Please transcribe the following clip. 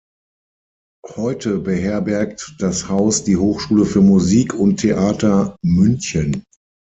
Heute beherbergt das Haus die Hochschule für Musik und Theater München.